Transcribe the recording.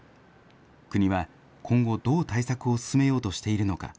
国は今後、どう対策を進めようといるのか。